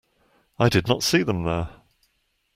I did not see them there.